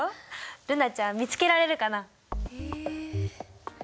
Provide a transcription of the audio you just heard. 瑠菜ちゃん見つけられるかな？え。